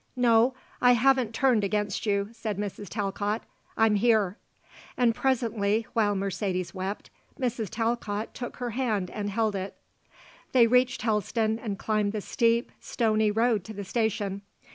"No, I haven't turned against you," said Mrs. Talcott. "I'm here." And presently, while Mercedes wept, Mrs. Talcott took her hand and held it. They reached Helston and climbed the steep, stony road to the station.